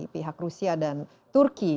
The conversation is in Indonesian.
pihak rusia dan turki